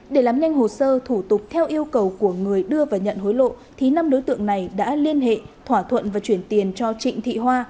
để làm nhanh hồ sơ thủ tục theo yêu cầu của người đưa và nhận hối lộ thì năm đối tượng này đã liên hệ thỏa thuận và chuyển tiền cho trịnh thị hoa